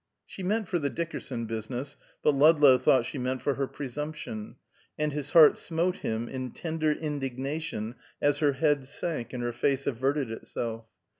She meant for the Dickerson business, but Ludlow thought she meant for her presumption, and his heart smote him in tender indignation as her head sank and her face averted itself.